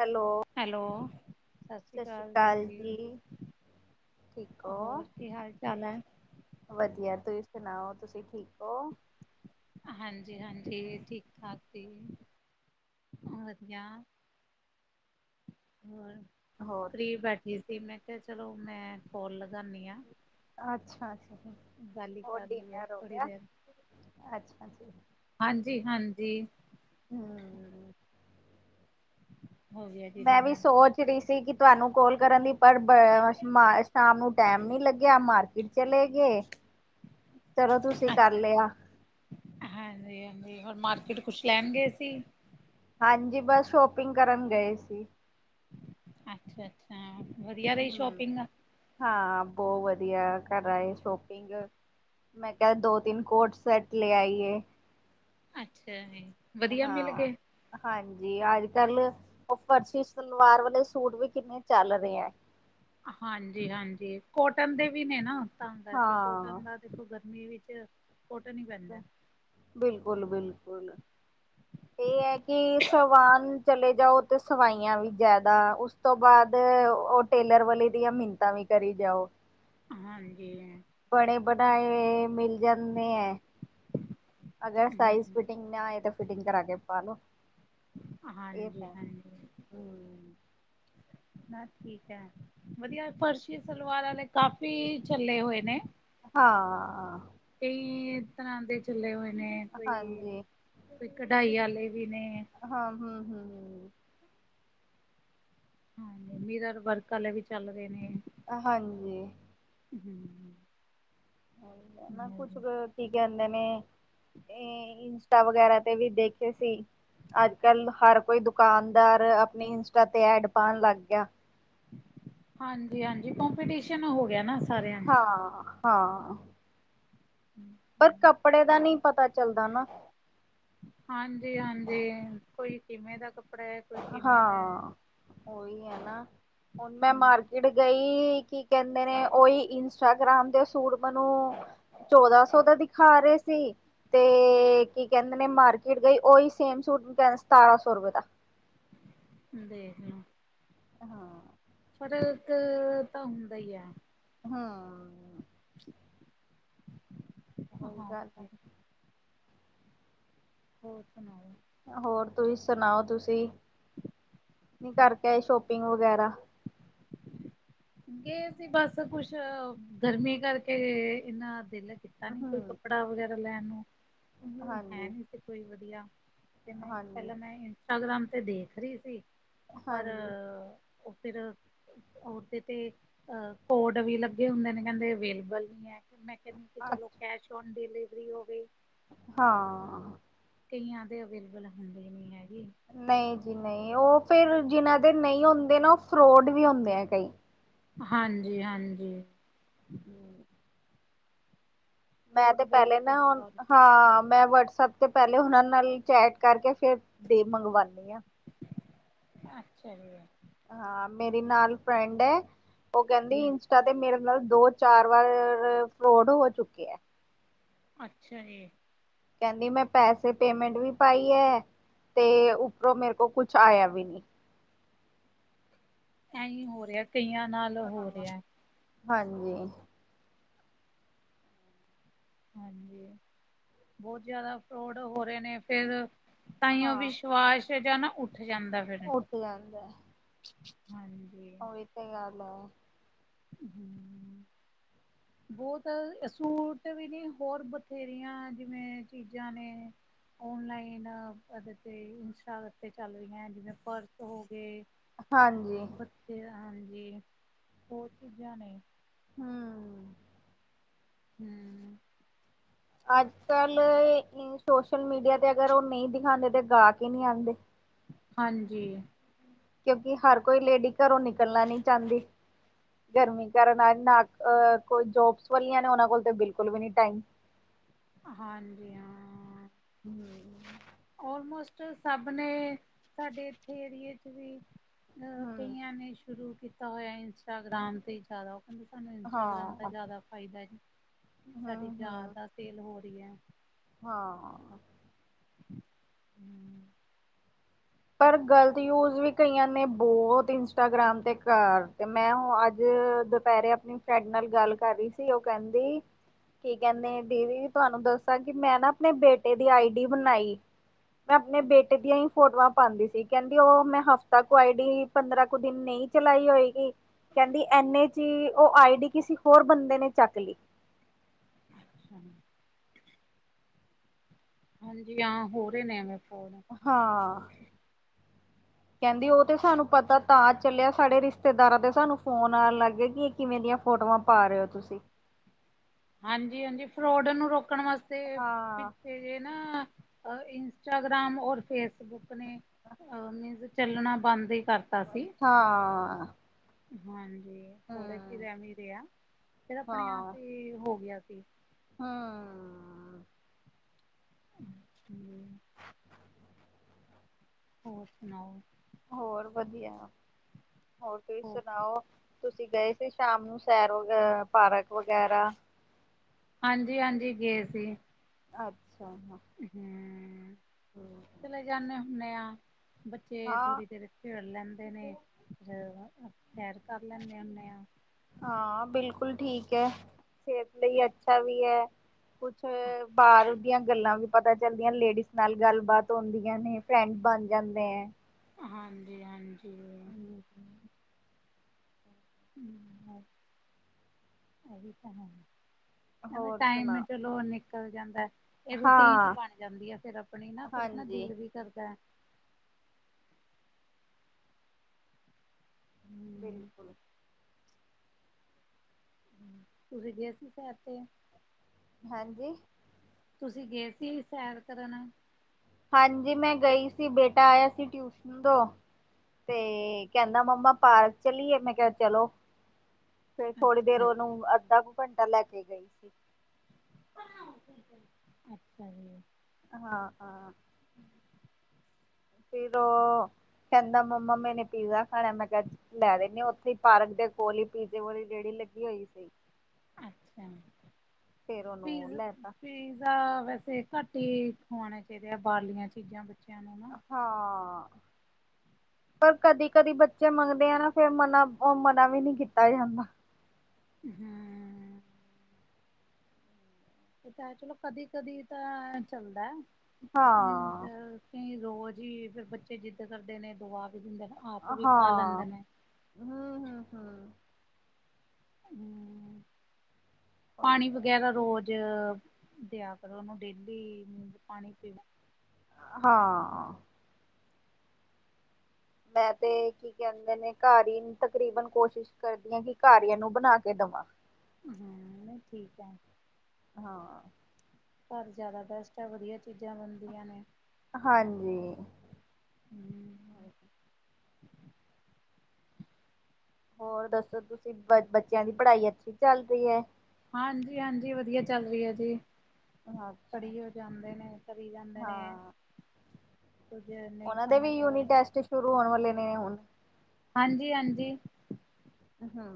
Hello. Hello, ਸਤਿ ਸ਼੍ਰੀ ਅਕਾਲ ਦੀਦੀ ਜੀ। ਠੀਕ ਹੋ ਹੋਰ ਕੀ ਹਾਲ-ਚਾਲ ਐ? ਵਧੀਆ, ਤੁਸੀਂ ਸੁਣਾਓ। ਤੁਸੀਂ ਠੀਕ ਓ? ਹਾਂਜੀ, ਹਾਂਜੀ। ਠੀਕ-ਠਾਕ ਦੀ। ਵਧੀਆ। ਹੋਰ? ਹੋਰ ਫ੍ਰਰੀ ਬੈਠੀ ਸੀ, ਮੈਂ ਕਿਆ ਚਲੋ ਮੈਂ ਕੋਲ ਲਗਾਣੀ ਆਂ। ਅੱਛਾ ਜੀ। ਗੱਲ ਈ ਹੋਰ ਕਰ ਲੀਏ, ਡਿਨਰ ਹੋ ਥੋੜ੍ਹੀ ਗਿਆ ਦੇਰ। ਅੱਛਾ ਜੀ ਹਾਂਜੀ ਹਾਂਜੀ। ਹਂ। ਹੋ ਗਿਆ ਜੀ ਮੈਂ ਵੀ ਡਿਨਰ। ਸੋਚ ਰੀ ਸੀ ਕਿ ਤੁਆਨੂੰ ਕੋਲ ਕਰਨ ਦੀ ਪਰ ਬ ਮ ਸ਼ਾਮ ਨੂੰ ਟੈਮ ਨੀਂ ਲੱਗਿਆ। ਮਾਰਕੀਟ ਚਲੇ ਗੇ। ਚਲੋ ਤੁਸੀਂ ਕਰ ਲਿਆ। ਹਾਂਜੀ ਹਾਂਜੀ। ਹੋਰ ਮਾਰਕੀਟ ਕੁਛ ਲੈਂਣਗੇ ਸੀ। ਹਾਂਜੀ। ਬਸ ਸ਼ਾਪਿੰਗ ਕਰਨ ਗਏ ਸੀ। ਅੱਛਾ ਅੱਛਾ। ਵਧੀਆ ਰੀ ਹਮ ਸ਼ੋਪਿੰਗ? ਹਾਂ, ਬੋਤ ਵਧੀਆ, ਕਰ ਆਏ ਸ਼ੋਪਿੰਗ ਮੈਂ ਕਿਆ ਦੋ-ਤਿੰਨ ਕੋਟ ਸੈੱਟ ਲੈ ਆਈਏ। ਅੱਛਾ ਜੀ। ਵਧੀਆ ਮਿਲ ਹਾਂ। ਗਏ? ਹਾਂਜੀ, ਅੱਜ-ਕਲ ਓ ਫਰਸ਼ੀ ਸਲਵਾਰ ਵਾਲੇ ਸੂਟ ਵੀ ਕਿੰਨੇ ਚੱਲ ਰੇ ਐ। ਹਾਂਜੀ ਹਾਂਜੀ। ਕੋਟਨ ਦੇ ਵੀ ਨੇ ਨਾਂ ਤਾਂ ਕਰਕੇ ਹਾਂ ਕੋਟਨ ਦਾ ਦੇਖੋ, ਗਰਮੀ ਵਿੱਚ ਕੋਟਨ ਈ ਪੈਂਦਾ। ਬਿਲਕੁਲ ਬਿਲਕੁਲ। ਏ ਐ ਕਿ ਸਵਾਨ ਚਲੇ ਜਾਓ ਤੇ ਸਵਾਈਆਂ ਵੀ ਜ਼ਿਆਦਾ ਉਸ ਤੋਂ ਬਾਅਦ ਓ ਟੇਲਰ ਵਾਲੇ ਦੀਆਂ ਮਿੰਨਤਾਂ ਵੀ ਕਰੀ ਜਾਓ। ਹਾਂਜੀ। ਬਣੇ ਬਣਾਏ ਮਿਲ ਜਾਂਦੇ ਐ। ਅਗਰ ਹੂੰ ਸਾਈਜ਼ ਫਿਟਿੰਗ ਨਾਂ ਆਏ ਤਾਂ ਫਿਟਿੰਗ ਕਰਾ ਕੇ ਪਾਲੋੋ। ਹਾਂਜੀ, ਹਾਂਜੀ। ਮੈਂ ਠੀਕ ਐ। ਵਧੀਆ, ਫਰਸ਼ੀ ਸਲਵਾਰਾਂ ਲੇ ਕਾਫੀ ਚੱਲੇ ਹੋਏ ਨੇਂ। ਹਾਂ। ਕਈ ਇਸ ਤਰ੍ਹਾਂ ਦੇ ਚੱਲੇ ਹੋਏ ਨੇ, ਕੋਈ ਹਾਂਜੀ ਕੋਈ ਕਢਾਈ ਵਾਲੇ ਵੀ ਨੇ। ਹਾਂ, ਹਂ, ਹਂ, ਹਂ। ਹਾਂਜੀ, ਮੀਰਰ ਵਰਕ ਆਲੇ ਵੀ ਚੱਲ ਰੇ ਨੇ। ਹਾਂਜੀ। ਹਂ। [unintelligible] ਕੁਛ ਕ ਕੀ ਕੈਂਦੇ ਨੇ। ਏ ਇੰਸਟਾ ਵਗੈਰਾ ਤੇ ਵੀ ਦੇਖੇ ਸੀ। ਅੱਜ-ਕੱਲ ਹਰ ਕੋਈ ਦੁਕਾਨਦਾਰ ਆਪਨੀ ਇੰਸਟਾ ਤੇ ਐਡ ਪਾਨ ਲਾੱਗ ਗੇਆ। ਹਾਂਜੀ-ਹਾਂਜੀ ਕੋਮਪੀਟੀਸ਼ਨ ਹੋ ਗੇਆ ਨਾ। ਸਾਰਿਆਂ ਹਾਂ, ਹਾਂ। ਪਰ ਕੱਪੜੇ ਦਾ ਨੀ ਪਤਾ ਚੱਲਦਾ ਨਾ। ਹਾਂਜੀ-ਹਾਂਜੀ ਕੋਈ ਕਿਵੇਂ ਦਾ ਕੱਪ ਹਾਂ, ਓਈ ਐ ਨਾ, ਹੁਨ ਮੈਂ ਮਾਰ ਹੂੰ ਇੜ ਗਈ ਕੀ ਕੈਂਦੇ ਨੇ। ਓਈ ਇੰਸਟਾਗ੍ਰਾਮ ਦੇ ਸੂਟ ਮਨੂੰ ਚੌਦਾਂ ਸੌ ਦਾ ਦਿਖਾ ਰੇ ਸੀ। ਤੇ ਕੀ ਕੈਂਦੇ ਨੇ ਮਾਰਕਿਟ ਗਈ, ਓਈ ਸੇਮ ਸੂਟ ਕੈਂਦੇ ਸਤਾਰਾਂ ਸੌ ਰੁਪੇ ਦਾ। ਦੇਖਲਾ। ਹਾਂ। ਫਰਕ, ਤਾਂ ਹੁੰਦਾ ਈ ਐ। ਹਾਂ। ਹੋ ਗੱਲ ਹਾਂਜੀ [unintelligible] ਹੋਰ ਸੁਨਾਓ? ਹੋਰ ਤੁਸੀਂ ਸੁਨਾਓ, ਤੁਸੀ ਨੀ ਕਾਰਕੇ ਆਏ ਸ਼ੋਪਿੰਗ ਵਗੈਰਾ? [inaudible] ਗੇ ਸੀ ਬਾੱਸ ਕੁੱਛ ਗਰਮੀ ਕਾਰਕੇ ਏਨਾਂ ਦਿਲ ਕੀ ਤਾਂ ਨੀ ਕੋਈ ਹਮ ਕੱਪੜਾ ਵਗੈਰਾ ਲੈਨ ਨੂੰ ਓਈਓ ਹੈ ਹਾਂਜੀ ਨੀ ਸੀ ਕੋਈ ਵਦੀਆ। ਜਵੇਂ, ਹਾਂਜੀ ਪੈਲਾਂ ਮੈਂ ਇੰਸਟਾਗ੍ਰਾਮ ਤੇ ਦੇਖ ਰੀ ਸੀ, ਪਰ ਹਾਂਜੀ ਓ ਫਿਰ ਓਰ ਤੇ-ਤੇ ਅ ਕੋਡ ਵੀ ਲੱਗੇ ਹੁੰਦੇ ਨੇ ਕੈਦੇ ਐਵੇਲੇਬਲ ਨੀ ਐ। ਫੇਰ ਮੈਂ ਕੈਂਨੀ ਕਿ ਚਲੋ ਕੈਸ਼ ਔਨ ਡਿਲੀਵਰੀ ਹੋ ਗੀ। ਹਾਂ। ਕਈਆਂ ਦੇ ਐਵੇਲੇਬਲ ਹੁੰਦੇ ਨੀ ਹੈਗੇ। ਨਈਂ ਜੀ, ਨਈਂ ਓ ਫੇਰ ਜਿਨਾਂ ਦੇ ਨਈ ਹੁੰਦੇ ਨਾ ਓ ਫਰੋਡ ਵੀ ਹੁੰਦੇ ਐਂ ਕਈ। ਹਾਂਜੀ-ਹਾਂਜੀ। ਹੂੰ। ਮੈਂ ਰੋਡ ਤੇ ਬਹੁਤ ਪੈਲੇ ਨਾ, ਜ਼ਿਆਦਾ ਹੋ ਹਾਂ। ਮੈਂ ਵਟਸਐਪ ਤੇ ਪੈਲੇ ਓਨਾਂ ਨਾਲ ਚੈਟ ਕਾਰਕੇ ਫੇਰ ਡੇ ਮੰਗਵਾਨੀ ਆਂ। ਅੱਛਾ ਜੀ। ਹਾਂ, ਮੇਰੀ ਨਾਲ ਫਰੈਂਡ ਐ ਓ ਕੈਂਦੀ ਹਮ ਤਦੇ ਮੇਰੇ ਨਾਲ ਦੋ-ਚਾਰ ਵਾਰ ਫਰੋਡ ਹੋ ਚੁੱਕੇ ਐ। ਅੱਛਾ ਜੀ। ਕੈਂਦੀ ਮੈਂ ਪੈਸੇ ਪੇਮੈਂਟ ਵੀ ਪਾਈ ਐ, ਤੇ ਉਪਰੋ ਮੇਰੇ ਕੋ ਕੁੱਛ ਆਯਾ ਵੀ ਨੀ। ਐਂਈ ਹੋ ਰੇਆ ਕਈਆਂ ਨਾਲ ਹੋ ਰਿਹਾ ਹਾਂਜੀ। ਹਾਂਜੀ, ਬੋਤ ਜਾਦਾ ਫਰੋਡ ਹੋ ਰੇ ਨੇ ਫੇਰ ਤਾਂਈਓ ਹਾਂ ਵਿਸ਼ਵਾਸ ਜਾਂ ਨਾ ਉੱਠ ਜਾਂਦਾ ਫੇਰ। ਉੱਠ ਜਾਂਦੈ। ਹਾਂਜੀ। ਕਈਆਂ ਆਲੋ। ਹੂੰ। ਬੋਤ ਸੂਟ ਵੀ ਨੀ, ਹੋਰ ਬਥੇਰੀਆਂ ਜਿਵੇਂ ਚੀਜਾਂ ਨੇ ਓਨਲਾਈਨ ਓਦੇ ਤੇ ਇੰਸਟਾ ਤੇ ਚਾੱਲ ਰਈਐਂ ਜਿਵੇਂ ਪਰਸ ਹੋ ਗੇ। ਹਾਂਜੀ। ਬੱਚੇ ਆਨਗੇ ਹੋਰ ਚੀਜਾਂ ਨੇ। ਹੰ ਹੁੰ ਅੱਜ ਕੱਲ ਇਨ ਸੋਸ਼ਲ ਮੀਡੀਆ ਤੇ ਅਗਰ ਓ ਨਈ ਦਿਖਾਂਦੇ ਤੇ ਗਾਕ ਈ ਨੀ ਆਂਦੇ। ਹਾਂਜੀ। ਕਿਉਂਕਿ ਹਰ ਕੋਈ ਲੇਡੀ ਘਰੋਂ ਨਿਕਲਨਾ ਨੀ ਚਾਂਦੀ। ਗਰਮੀ ਕਾਰਨ ਐਨ ਨਾ ਕੋਈ ਜੋਬਸ ਵਾਲੀਆਂ ਨੇ ਉਨਾਂ ਕੋਲ ਤੇ ਬਿਲਕੁਲ ਵੀ ਨੀ ਟਾਈਮ। ਹਾਂਜੀ, ਹਾਂ। ਹੁੰ ਓਲਮੋਸਟ ਸਭ ਨੇ ਸਾਡੇ ਏਥੇ ਏਰੀਏ ਚ ਵੀ ਅ ਹਮ ਕਈਆਂ ਨੇ ਸ਼ੁਰੂ ਕੀਤਾ ਹੋਇਆ ਇੰਸਟਾਗ੍ਰਾਮ ਤੇ ਜਆਦਾ ਕੈਦੇ ਸਾਨੂੰ ਇੰਸਟਾਗ੍ਰਾਮ ਦਾ ਹਾਂ ਜਆਦਾ ਫਾਇਦਾ ਐ ਜੀ ਹਮ ਸਾਡੀ ਹਮ ਜਆਦਾ ਸੇਲ ਹੋ ਰੀ ਐ। ਹਾਂ ਹੁੰ ਪਰ ਗਲਤ ਯੂਜ ਵੀ ਕਈਆਂ ਨੇ ਬੌਤ ਇੰਸਟਾਗ੍ਰਾਮ ਤੇ ਕਰ ਤੇ ਮੈਂ ਹੁੰ ਅੱਜ ਦੁਪੇਰੇ ਆਪਨੀ ਤਾਡੇ ਨਾਲ ਗੱਲ ਕਰ ਰਈ ਸੀ ਓ ਕੈਂਦੀ ਕੀ ਕੈਨੇ ਨੇ ਦੀਦੀ ਤੁਆਨੂੰ ਦੱਸਾਂ ਕਿ ਮੈ ਨਾ ਆਪਨੇ ਬੇਟੇ ਦੀ ਆਈ ਡੀ ਬਣਾਈ। ਮੈ ਆਪਨੇ ਬੇਟੇ ਦੀਆਂ ਈ ਫੋਟਵਾ ਪਾਂਦੀ ਸੀ ਕੈਂਦੀ ਓ ਮੈਂ ਹਫਤਾ ਕੁ ਆਈ ਡੀ ਪੰਦਰਾਂ ਕੁ ਦਿਨ ਨਈ ਚਲਾਈ ਹੋਏਗੀ ਕੈਂਦੀ ਐਨੇ ਚੀ ਓ ਆਈ ਡੀ ਕਿਸੀ ਹੋਰ ਬੰਦੇ ਨੇ ਚੱਕ ਲੀ। ਅੱਛਾ ਜੀ। ਹਾਂਜੀ, ਹਾਂ ਹੋ ਰੇ ਨੇ ਐਵੇਂ ਫੋਨ। ਹਾਂ। ਕੈਂਦੀ ਓ ਤੇ ਸਾਨੂੰ ਪਤਾ ਤਾਂ ਚੱਲਿਆ ਸਾਡੇ ਰਿਸ਼ਤੇਦਾਰਾਂ ਦੇ ਸਾਨੂੰ ਫੋਨ ਆਣ ਲੱਗ ਗੇ ਕਿ ਕਿਵੇਂ ਦੀਆਂ ਫੋਟਵਾ ਪਾ ਰੇ ਓ ਤੁਸੀ? ਹਾਂਜੀ- ਹਾਂਜੀ ਫਰੋਡ ਨੂ ਰੋਕਣ ਵਾਸਤੇ ਹਾਂ ਪਿੱਛੇ ਤੇ ਨਾ ਅ ਇੰਸਟਾਗ੍ਰਾਮ ਔਰ ਫੇਸਬੁੱਕ ਨੇ ਅ ਚੱਲਣਾ ਬੰਦ ਈ ਕਰ ਤਾ ਸੀ। ਹਾਂ। ਹਾਂਜੀ, ਥੋੜੇ ਚਿਰ ਹੂੰ ਐਂਵੀ ਰਿਆ ਫੇਰ ਆਪਣੇ ਆਪ ਈ ਹੋ ਗਿਆ ਸੀ। ਹਾਂ [inaudible] ਹੋਰ ਸੁਨਾਓ? ਹੋਰ ਵਧੀਆ ਹੋਰ ਤੁਹੀ ਹੋ ਸੁਨਾਓ? ਤੁਸੀ ਗਏ ਸੀ ਸ਼ਾਮ ਨੂੰ ਸੈਰ, ਅ ਪਾਰਕ ਵਗੈਰਾ? ਹਾਂਜੀ-ਹਾਂਜੀ ਗੇ ਸੀ। ਅੱਛਾ, ਹਾਂ ਹੁੰ, ਚਲੇ ਜਾਨੇ ਹੁੰਨੇ ਆ ਬੱਚੇ ਹਾਂ ਥੋੜ੍ਹੀ ਦੇਰ ਖੇਡ ਲੈਂਦੇ ਨੇ ਫਿਰ, ਸੈਰ ਕਰ ਲੈਨੇ ਹੁੰਨੇ ਆਂ। ਆਂ, ਬਿਲਕੁਲ ਠੀਕ ਐ ਸੇਤ ਲਈ ਅੱਛਾ ਵੀ ਐ ਕੁਛ [inaudible] ਬਾਰ ਦੀਆਂ ਗੱਲਾਂ ਵੀ ਪਤਾ ਚੱਲਦੀਆਂ, ਲੇਡੀਜ਼ ਨਾਲ ਗੱਲਬਾਤ ਹੋਂਦੀਆਂ ਨੇ ਫਰੈਂਡਜ਼ ਬਣ ਜਾਂਦੇ ਐਂ ਬ ਹਾਂਜੀ-ਹਾਂਜੀ। ਹੂੰ, ਐਵੀ ਤਾਂ ਹੈ। ਐਵੇ ਹੋਰ ਟਾਈਮ ਏ ਸੁਣਾ ਚਲੋ ਨਿਕਲ ਜਾਂਦਾ। ਏ ਰੋਟੀਨ ਜੀ ਹਾਂ ਬਣ ਜਾਂਦੀ ਆ ਫੇਰ ਅਪਨੀ ਨਾ ਫੇਰ ਅਪਨਾ ਹਾਂਜੀ ਦਿਲ ਵੀ ਕਰਦੈ। ਹਮ ਬਿਲਕੁਲ। ਤੁਸੀਂ ਗਏ ਸੀ ਸੈਰ ਤੇ? ਹਾਂਜੀ ਤੁਸੀ ਗਏ ਸੀ ਸੈਰ ਕਰਨ? ਹਾਂਜੀ ਮੈਂ ਗਈ ਸੀ, ਬੇਟਾ ਆਯਾ ਸੀ ਟਿਊਸ਼ਨ ਤੋਂ। ਤੇ ਕੈਂਦਾ ਮੰਮਾ ਪਾਰਕ ਚੱਲੀਏ, ਮੈਂ ਕੇਆ ਚਲੋ। ਫੇਰ ਥੋੜੀ ਦੇਰ ਅੱਛਾ ਓਨੂੰ ਅੱਧਾ ਕੁ ਘੰਟਾ ਲੈਕੇ ਗਈ ਸੀ। [unintelligible] ਅੱਛਾ ਜੀ। ਹਾਂ-ਹਾਂ। [inaudible] ਫਿਰ ਓ ਕੈਂਦਾ ਮੰਮਾ ਮੈਂਨੇ ਪੀਜ਼ਾ ਖਾਣਾ, ਮੈਂ ਕੇਆ ਲੈ ਦੇਨੀ ਆਂ, ਓਥੇ ਈ ਪਾਰਕ ਦੇ ਕੋਲ ਹੀ ਪੀਜ਼ੇ ਵਾਲੀ ਰੇੜੀ ਲੱਗੀ ਹੋਈ ਸੀ। ਅੱਛਾ, [unintelligible] ਫੇਰ ਉਹਨੂੰ ਲੈਤਾ ਤਾਂ ਵੈਸੇ ਘੱਟ ਹੀ ਖਵਾਣੇ ਚਾਈਂਦੇ ਆ ਬਾਹਰਲੀਆਂ ਚੀਜ਼ਾਂ ਬੱਚੇਆਂ ਨੂੰ ਨਾ। [inaudible] ਹਾਂ ਪਰ ਕਦੀ-ਕਦੀ ਬੱਚੇ ਮੰਗਦੇ ਆ ਨਾ ਫੇਰ ਮਨਾ, ਓ ਮਨਾ ਵੀ ਕੀਤਾ ਜਾਂਦਾ। ਹੂੰ। ਚਲੋ ਕਦੀ-ਕਦੀ ਤਾਂ ਚੱਲਦੈ, ਉਂਜ ਹਾਂ ਕਈ ਰੋਜ ਈ ਫੇਰ ਬੱਚੇ ਜਿੱਦ ਕਰਦੇ ਨੇ ਦਵਾ ਵੀ ਦਿੰਦੇ, ਹਨਾ। ਹਾਂ, ਹੂੰ-ਹੂੰ-ਹੂੰ। ਹੂੰ, ਉਹੀ ਪਾਣੀ ਹੈ। ਵਗੈਰਾ ਰੋਜ ਦਿਆ ਕਰੋ ਓਨੂੰ ਦੇਖਦੇ ਪਾਣੀ ਪੀਣਾ ਹਾਂ। ਮੈਂ ਤੇ ਕੀ ਕੈਂਦੇ ਨੇ ਘਰ ਈ ਤਕਰੀਬਨ ਕੋਸ਼ਿਸ਼ ਕਰਦੀਆਂ ਕਿ ਘਰ ਈ ਏਨੂੰ ਬਣਾ ਕੇ ਦੇਵਾਂ। ਹਾਂ, ਨਈਂ ਠੀਕ ਐ। ਹਾਂ। ਘਰ ਜਾਦਾ ਬੈਸਟ ਆ, ਵਧੀਆ ਚੀਜਾਂ ਬਣਦੀਆਂ ਨੇ। ਹਾਂਜੀ। ਹੂੰ। ਹੋਰ ਦੱਸੋ ਤੁਸੀਂ, ਬ ਬੱਚਿਆਂ ਦੀ ਪੜ੍ਹਾਈ ਅੱਛੀ ਚੱਲ ਰਿਐ? ਹਾਂਜੀ-ਹਾਂਜੀ ਵਧੀਆ ਚੱਲ ਰੀ ਐ ਜੀ। ਅੱਛਾ ਪੜੀਓ ਜਾਂਦੇ ਨੇ, ਪੜੀ ਜਾਂਦੇ ਨੇ। ਹਾਂ ਕੁਜ ਨਈਂ ਉਹਨਾਂ ਦੇ ਵੀ ਸਮਝ ਲੱਗ ਯੂਨਿਟ ਟੈਸਟ ਸ਼ੁਰੂ ਹੋਣ ਵਾਲੇ ਨੇ ਹੁਨ ਹਾਂਜੀ-ਹਾਂਜੀ। ਉ ਹੂੰ।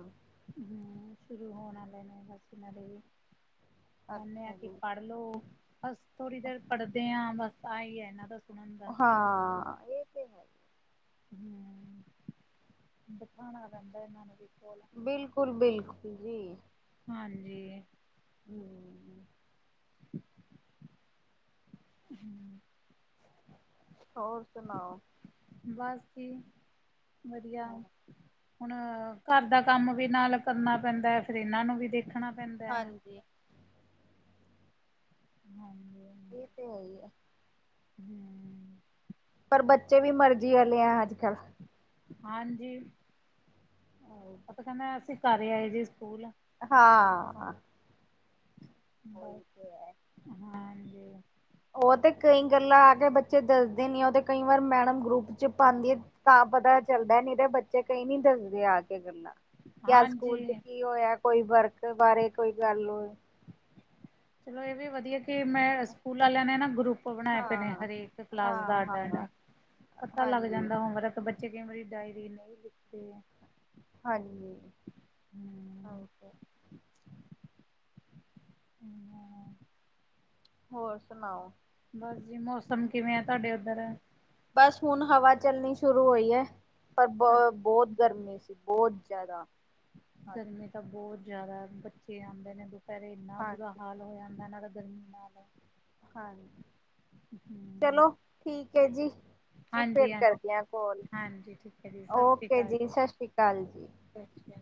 ਹੂੰ, ਸ਼ੁਰੂ ਹੋਣ ਵਾਲੇ ਨੇ ਬਸ ਓਨਾਂ ਦੇ ਵੀ ਕੈਂਨੇ ਆ ਅੱਛਾ ਕਿ ਜੀ ਪੜ ਲੋ ਬਸ ਥੋੜ੍ਹੀ ਦੇਰ ਪੜ੍ਹਦੇ ਆ ਬਸ ਆਹੀ ਆ ਏਨਾਂ ਦਾ ਸੁਣਨ ਦਾ ਹਾਂ। ਇਹ ਤੇ ਹੈ। ਹੀ। ਬਿਠਾਨਾ ਪੈਂਦਾ ਏਨਾਂ ਨੂੰ ਵੀ ਕੋਲ। ਬਿਲਕੁਲ-ਬਿਲਕੁਲ ਜੀ, ਹਾਂਜੀ, [inaudible] ਹੂੰ, ਹੋਰ ਸੁਣਾਓ? ਬਸ ਜੀ ਵਧੀਆ, ਹੁਣ ਘਰ ਦਾ ਕੰਮ ਵੀ ਨਾਲ ਕਰਨਾ ਪੈਂਦਾ ਫਿਰ ਇਹਨਾਂ ਨੂੰ ਵੀ ਦੇਖਣਾ ਪੈਂਦਾ ਐ। ਹਾਂਜੀ ਹਾਂਜੀ। ਇਹ ਤੇ ਹੈ ਈ ਐ ਹੂੰ, ਪਰ ਬੱਚੇ ਵੀ ਮਰਜ਼ੀ ਆਲੇ ਆ ਅੱਜ ਕੱਲ੍ਹ ਹਾਂਜੀ। ਉਹ ਤੇ ਕਹਿੰਦਾ ਅਸੀਂ ਕਰ ਆਏ ਜੀ ਸਕੂਲ। ਹਾਂ। ਉਹੀ ਬਸ, ਤੇ ਹੈ। ਹਾਂਜੀ। ਉਹ ਤੇ ਕਈ ਗੱਲਾਂ ਆ ਕੇ ਬੱਚੇ ਦੱਸਦੇ ਨੀ ਆ ਉਹ ਤੇ ਕਈ ਵਾਰ ਮੈਡਮ ਗਰੁੱਪ ਚ ਪਾਦੀ ਐ। ਤਾਂ ਪਤਾ ਚੱਲਦਾ ਨੋ ਤੇ ਬੱਚੇ ਕਈ ਨੀ ਦੱਸਦੇ ਆ ਕੇ ਗੱਲਾਂ। ਕੀ ਅੱਜ ਸਕੂਲ ਚ ਹਾਂਜੀ ਕੀ ਹੋਇਆ ਕੋਈ ਵਰਕ ਬਾਰੇ ਕੋਈ ਗੱਲ ਚਲੋ ਇਹ ਵੀ ਵਧੀਆ ਕਿ ਮੈਂ ਸਕੂਲ ਵਾਲਿਆਂ ਨੇ ਨਾ ਗਰੁੱਪ ਬਣਾਏ ਪਏ ਨੇ ਹਾਂ, ਹਰੇਕ ਕਲਾਸ ਦਾ ਹਾਂ, ਅੱਡ-ਅੱਡ ਹਾਂ, ਪਤਾ ਲੱਗ ਹਾਂਜੀ, ਜਾਂਦਾ ਹੋਮਵਰਕ ਕਿ ਬੱਚੇ ਕਈ ਵਾਰੀ ਡਾਇਰੀ ਨਈ ਲਿਖਦੇ। ਹਾਂਜੀ। ਹਾਂ, ਹੋਰ ਸੁਣਾਓ? ਹੋਰ ਜੀ ਮੌਸਮ ਕਿਵੇਂ ਆ ਤੁਹਾਡੇ ਉੱਧਰ? ਬਸ ਹੁਣ ਹਵਾ ਚੱਲਣੀ ਸ਼ੁਰੂ ਹੋਈ ਐ ਪਰ ਬੋਤ ਗਰਮੀ ਸੀ ਬਹੁਤ ਜਿਆਦਾ। ਗਰਮੀ ਤਾਂ ਬਹੁਤ ਜ਼ਿਆਦਾ ਬੱਚੇ ਆਦੇ ਨੇ, ਦੁਪਹਿਰੇ ਇੰਨਾ ਬੁਰਾ ਹਾਂਜੀ। ਹਾਲ ਹੋ ਜਾਂਦਾ ਇਨ੍ਹਾਂ ਦਾ ਗਰਮੀ ਨਾਲ ਹਾਂ ਹਮ ਚਲੋ ਠੀਕ ਐ ਜੀ। ਮੈਂ ਹਾਂਜੀ ਫਿਰ ਹਾਂਜੀ ਕਰਦੀ ਆ ਕਾਲ, ਹਾਂਜੀ ਠੀਕ ਹੈ ਜੀ ਓਕੇ ਜੀ ਸਤਿ ਸ੍ਰੀ ਅਕਾਲ ਜੀ। ਅੱਛਾ,